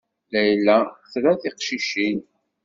Layla tra tiqcicin.